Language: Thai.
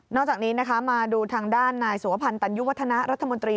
นอกจากนี้มาดูทางด้านนายสุวพันธ์ตัญญุวัฒนารัฐมนตรี